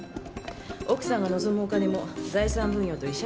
奥さんが望むお金も財産分与と慰謝料で取れる。